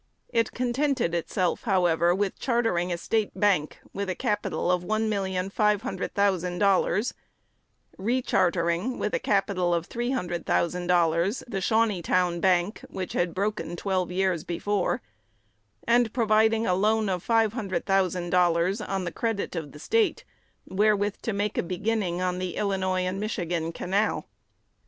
It contented itself, however, with chartering a State bank, with a capital of one million five hundred thousand dollars; rechartering, with a capital of three hundred thousand dollars, the Shawneetown Bank, which had broken twelve years before; and providing for a loan of five hundred thousand dollars, on the credit of the State, wherewith to make a beginning on the Illinois and Michigan Canal.